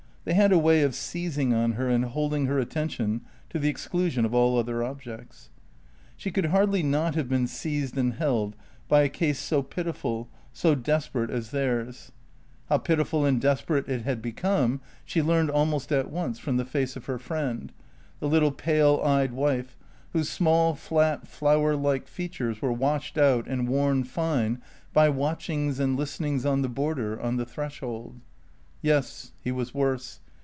They had a way of seizing on her and holding her attention to the exclusion of all other objects. She could hardly not have been seized and held by a case so pitiful, so desperate as theirs. How pitiful and desperate it had become she learned almost at once from the face of her friend, the little pale eyed wife, whose small, flat, flower like features were washed out and worn fine by watchings and listenings on the border, on the threshold. Yes, he was worse.